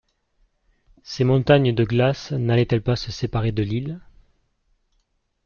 Ces montagnes de glace n’allaient-elles pas se séparer de l’île?